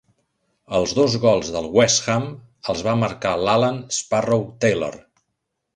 Els dos gols del West Ham els va marcar l'Alan 'Sparrow' Taylor.